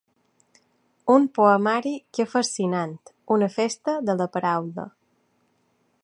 Un poemari que fascinant, una festa de la paraula.